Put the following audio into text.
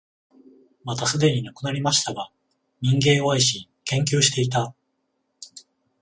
またすでに亡くなりましたが、民藝を愛し、研究していた、